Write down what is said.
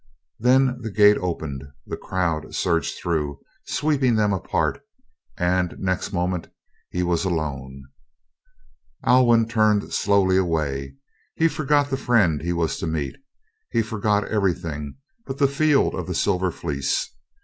Then the gate opened, the crowd surged through, sweeping them apart, and next moment he was alone. Alwyn turned slowly away. He forgot the friend he was to meet. He forgot everything but the field of the Silver Fleece.